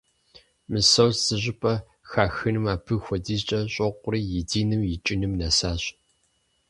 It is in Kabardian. Мысост зыщӀыпӀэ хахыным абы хуэдизкӀэ щӀокъури, и диным икӀыным нэсащ.